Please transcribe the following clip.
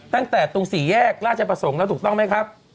ตั้งแต่ตรงสี่แยกราชประสงค์แล้วถูกต้องไหมครับ